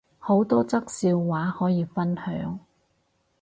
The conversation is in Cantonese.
好多則笑話可以分享